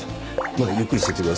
ゆっくりしてってください。